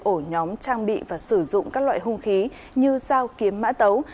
ổ nhóm trang bị và sử dụng các loại hung khí như dao kiếm mã tấu